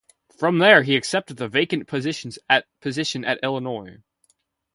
From there, he accepted the vacant position at Illinois.